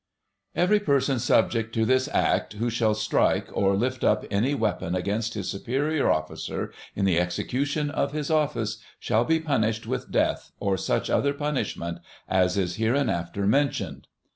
* "Every person subject to this Act who shall strike ... or lift up any weapon against his superior officer in the execution of his office, shall be punished with Death or such other punishment as is hereinafter mentioned."